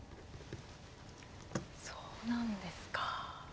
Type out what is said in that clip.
そうなんですか。